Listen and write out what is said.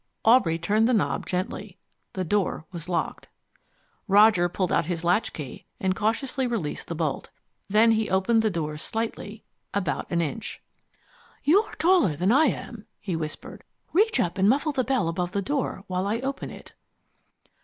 Aubrey turned the knob gently. The door was locked. Roger pulled out his latchkey and cautiously released the bolt. Then he opened the door slightly about an inch. "You're taller than I am," he whispered. "Reach up and muffle the bell above the door while I open it."